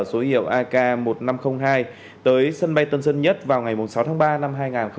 số hiệu ak một nghìn năm trăm linh hai tới sân bay tân sơn nhất vào ngày sáu tháng ba năm hai nghìn hai mươi